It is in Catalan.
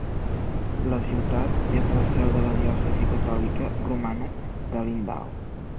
La ciutat és la seu de la diòcesi catòlica romana d'Alindao.